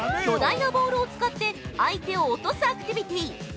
巨大なボールを使って相手を落とすアクティビティ。